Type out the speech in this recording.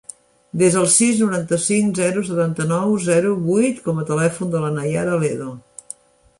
Desa el sis, noranta-cinc, zero, setanta-nou, zero, vuit com a telèfon de la Naiara Ledo.